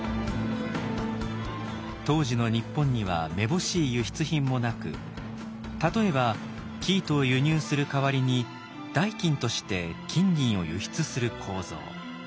当時の日本にはめぼしい輸出品もなく例えば生糸を輸入する代わりに代金として金銀を輸出する構造。